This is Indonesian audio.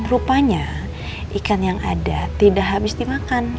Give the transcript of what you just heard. rupanya ikan yang ada tidak habis dimakan